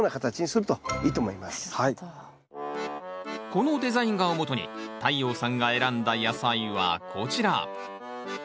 このデザイン画をもとに太陽さんが選んだ野菜はこちら。